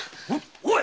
おい！